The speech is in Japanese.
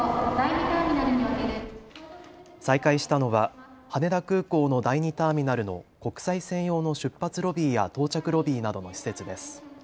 再開したのは羽田空港の第２ターミナルの国際線用の出発ロビーや到着ロビーなどの施設です。